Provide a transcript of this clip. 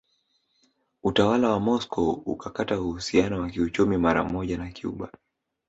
Utawala wa Moscow ukakata uhusiano wa kiuchumi maramoja na Cuba